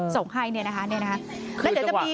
ส่งให้นี่นะคะ